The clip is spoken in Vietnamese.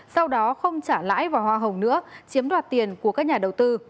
sau đó không trả lãi và hoa hồng nữa chiếm đoạt tiền của các nhà đầu tư